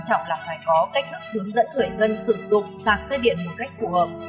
nói chẳng là phải có cách thức hướng dẫn người dân sử dụng xạc xe điện một cách phù hợp